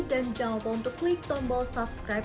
dan jangan lupa untuk klik tombol subscribe